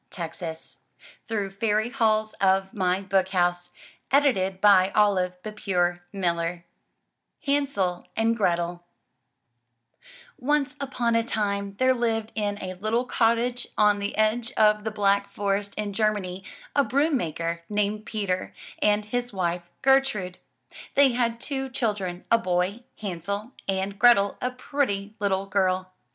44 THROUGH FAIRY HALLS HANSEL AND GRETHEL* Once upon a time there lived in a little cottage on the edge of the Black Forest in Germany a broom maker, named Peter, and his wife, Gertrude. They had two children, a boy. Hansel, and Grethel, a pretty little girl.